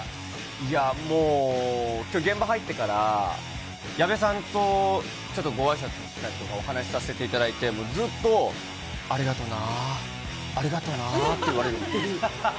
いやもう、きょう現場入ってから、矢部さんとちょっとごあいさつしたりとか、お話させていただいて、ずっと、ありがとうな、ありがとなって言われる。